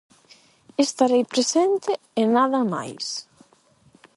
Estarei presente e nada máis.